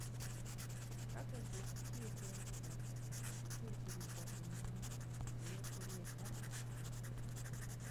Bakedde okukiika Embuga okutuukiriza ennono y’okuleeta Amakula.